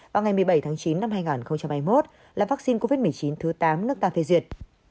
vào ngày một mươi bảy tháng chín năm hai nghìn hai mươi một là vaccine covid một mươi chín thứ tám nước ta phê duyệt